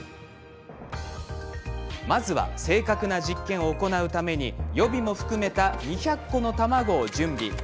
まずは正確な実験を行うため予備も含めた２００個の卵を準備。